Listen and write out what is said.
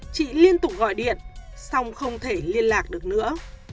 chị liên tục gọi điện song không thể liên lạc được nữa